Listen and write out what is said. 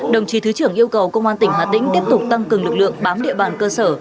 đồng chí thứ trưởng yêu cầu công an tỉnh hà tĩnh tiếp tục tăng cường lực lượng bám địa bàn cơ sở